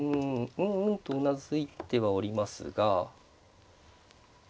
うんうんとうなずいてはおりますが。